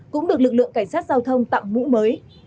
cũng được lực lượng cảnh sát giao thông tặng mũ mới